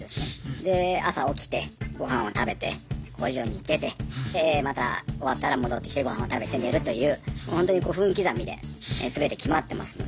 で朝起きてごはんを食べて工場に出てでまた終わったら戻ってきてごはんを食べて寝るというほんとに分刻みで全て決まってますので。